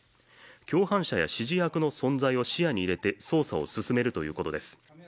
共犯者や指示役の存在を視野にいれて捜査を進めるということです。